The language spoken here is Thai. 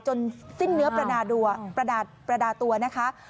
สิ้นเนื้อประดาตัวนะคะ